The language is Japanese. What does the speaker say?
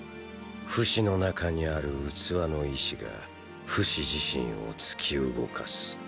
フシの中にある器の意思がフシ自身を突き動かす。